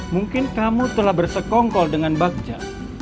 mungkin kamu telah bersekongkol dengan bagja